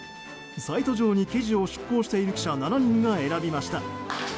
サイト上に記事を出稿している記者７人が選びました。